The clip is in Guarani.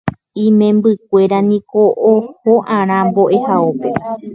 Imembykuéra niko oho'arã mbo'ehaópe.